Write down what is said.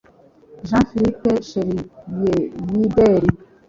Jean-Philippe Schereiber